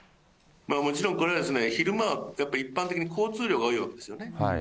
もちろんこれは、昼間はやっぱり一般的に交通量が多いわけですよね。